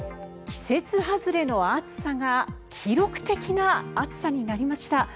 季節外れの暑さが記録的な暑さになりました。